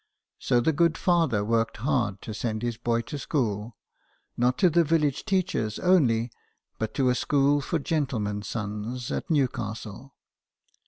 So the good father worked hard to send his boy to school ; not to the village teacher's only, but to a school for gentlemen's sons at Newcastle.